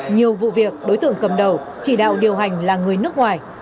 nhiều vụ việc đối tượng cầm đầu chỉ đạo điều hành là người nước ngoài